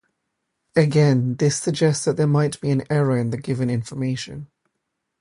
Again, this suggests that there might be an error in the given information.